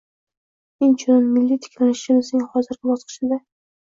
Inchunun, milliy tiklanishimizning hozirgi bosqichida